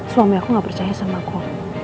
suami aku gak percaya sama aku